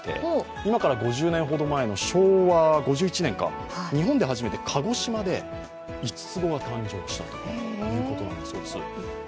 今から５０年ほど前の昭和５１年、日本で初めて鹿児島で五つ子が誕生したということなんだそうです。